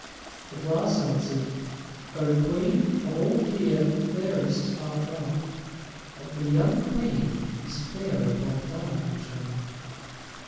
The Glass answered: "O Queen, of all here the fairest art thou, But the young Queen is fairer by far I trow."